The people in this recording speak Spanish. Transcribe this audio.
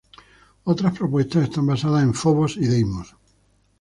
Otras propuestas están basadas en Fobos y Deimos.